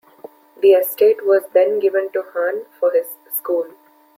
The estate was then given to Hahn for his school.